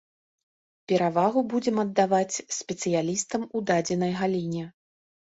Перавагу будзем аддаваць спецыялістам у дадзенай галіне.